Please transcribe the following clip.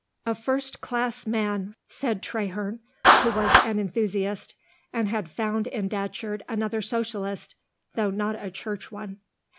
"A first class man," said Traherne, who was an enthusiast, and had found in Datcherd another Socialist, though not a Church one.